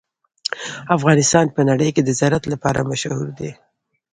افغانستان په نړۍ کې د زراعت لپاره مشهور دی.